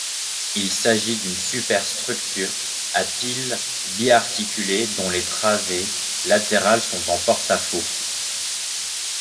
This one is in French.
Il s'agit d'une superstructure à piles bi-articulées dont les travées latérales sont en porte-à-faux.